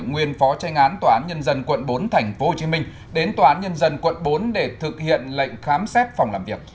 nguyên phó tranh án tòa án nhân dân quận bốn tp hcm đến tòa án nhân dân quận bốn để thực hiện lệnh khám xét phòng làm việc